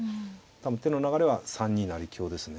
多分手の流れは３二成香ですね。